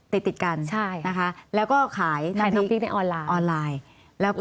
ติดติดกันใช่นะคะแล้วก็ขายในน้ำพริกในออนไลน์ออนไลน์แล้วก็